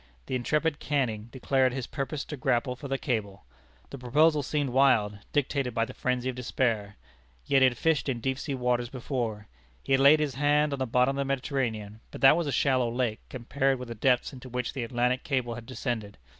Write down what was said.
The intrepid Canning declared his purpose to grapple for the cable! The proposal seemed wild, dictated by the frenzy of despair. Yet he had fished in deep waters before. He had laid his hand on the bottom of the Mediterranean, but that was a shallow lake compared with the depths into which the Atlantic cable had descended.